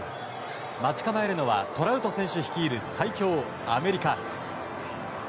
待ち構えるのはトラウト選手率いる最強アメリカ。